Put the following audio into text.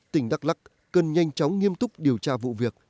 tỉnh đắk lắc cần nhanh chóng nghiêm túc điều tra vụ việc